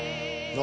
何